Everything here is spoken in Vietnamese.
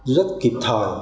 rất kịp thời